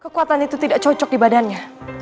kekuatan itu tidak cocok di badannya